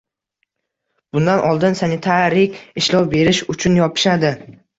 Bundan oldin sanitarik ishlov berish uchun yopishadi